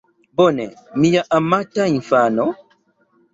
Bone, mia amata infano?